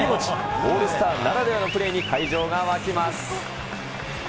オールスターならではのプレーに会場が沸きます。